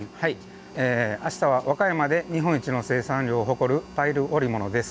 あしたは和歌山で日本一の生産量を誇るパイル織物です。